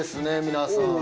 皆さん。